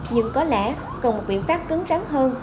nhưng có lẽ cần một biện pháp cứng rắn hơn